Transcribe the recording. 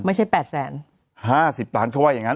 ไม่ใช่๘แสน๕๐ล้านเข้าไปอย่างนั้น